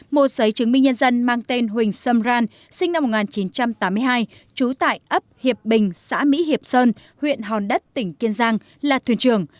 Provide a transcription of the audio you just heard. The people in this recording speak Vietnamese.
một giấy chứng minh nhân dân mang tên huỳnh sâm ran sinh năm một nghìn chín trăm tám mươi hai trú tại ấp hiệp bình xã mỹ hiệp sơn huyện hòn đất tỉnh kiên giang là thuyền trưởng